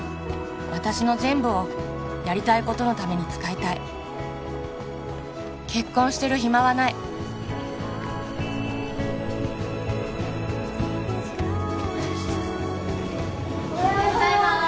私の全部をやりたいことのために使いたい結婚してる暇はないおはようございます